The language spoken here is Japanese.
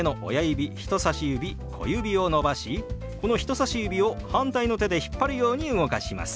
人さし指小指を伸ばしこの人さし指を反対の手で引っ張るように動かします。